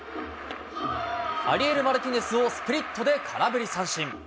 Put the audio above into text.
アリエル・マルティネスをスプリットで空振り三振。